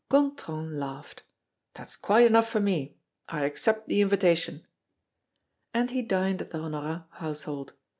Gontran laughed: "That's quite enough for me. I accept the invitation." And he dined at the Honorat household.